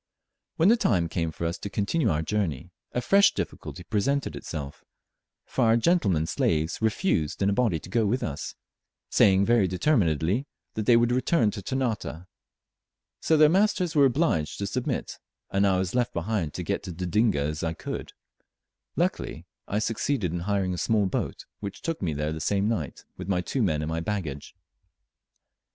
When the time came for us to continue our journey, a fresh difficulty presented itself, for our gentlemen slaves refused in a body to go with us; saying very determinedly that they would return to Ternate. So their masters were obliged to submit, and I was left behind to get to Dodinga as I could. Luckily I succeeded in hiring a small boat, which took me there the same night, with my two men and my baggage.